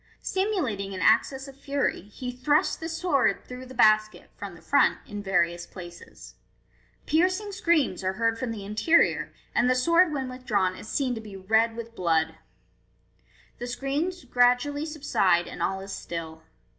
Simulating an access of fury, he thrusts the sword through the basket (from the front) in various places. Piercing screams are heard from the interior, and the sword when withdrawn is seen to be red with blood. The screams gradually subside, and all is still.